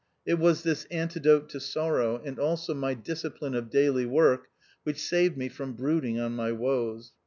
It was this antidote to sorrow, and also my disci pline of daily work, which saved me from brooding on my woes.